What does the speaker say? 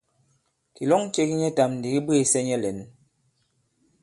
Kìlɔŋ ce ki nyɛtām ndi ki bwêsɛ nyɛ lɛ̌n.